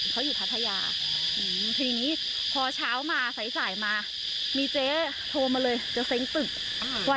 บอกขายมานานหรือยังคะ